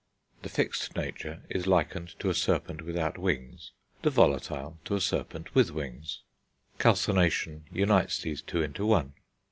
The fixed nature is likened to a serpent without wings; the volatile, to a serpent with wings: calcination unites these two into one.